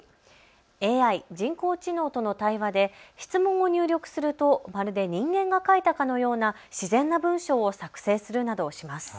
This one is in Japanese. ＡＩ・人工知能との対話で質問を入力するとまるで人間が書いたかのような自然な文章を作成するなどします。